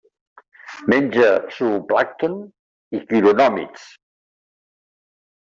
Menja zooplàncton i quironòmids.